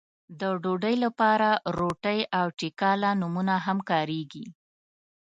د ډوډۍ لپاره روټۍ او ټکله نومونه هم کاريږي.